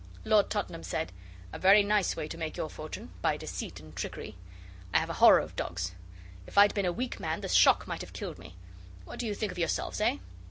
Lord Tottenham said 'A very nice way to make your fortune by deceit and trickery. I have a horror of dogs. If I'd been a weak man the shock might have killed me. What do you think of yourselves, eh?